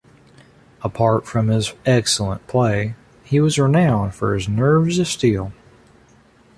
Apart from his excellent play, he was renowned for his nerves of steel.